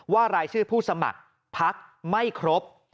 รายชื่อผู้สมัครพักไม่ครบ